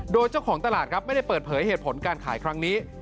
โดยเจ้าของตลาดครับไม่ได้เปิดเผยเหตุผลการขายครั้งนี้